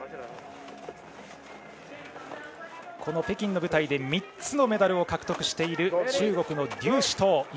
北京の舞台で３つのメダルを獲得している中国の劉思とう。